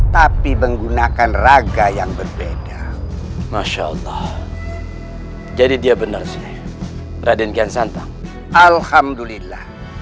tapi menggunakan raga yang berbeda masya allah jadi dia benar sih raden giansanta alhamdulillah